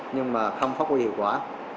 nhưng mà không phát huy hiệu quả